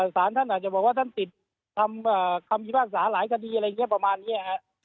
สารท่านอาจจะบอกว่าท่านติดทำคำพิพากษาหลายคดีประมาณนี้